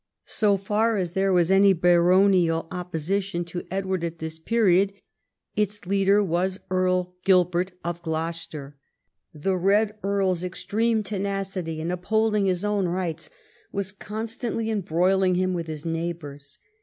So far as there was any baronial opposition to 138 EDWARD I chap. Edward at this period, its leader was Earl Gilbert of Gloucester. The Red Earl's extreme tenacity in up holding his own rights was constantly embroiling him with his neighbours.